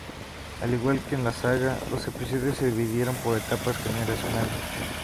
Al igual que en “La Saga“, los episodios se dividieron por etapas generacionales.